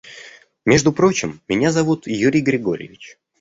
Между прочим, меня зовут Юрий Григорьевич.